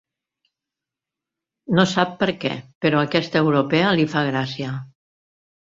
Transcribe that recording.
No sap per què, però aquesta europea li fa gràcia.